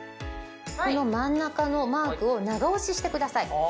この真ん中のマークを長押ししてください。